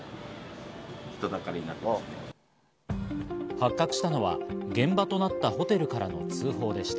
発覚したのは現場となったホテルからの通報でした。